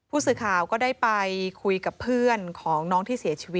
ผู้สื่อข่าวก็ได้ไปคุยกับเพื่อนของน้องที่เสียชีวิต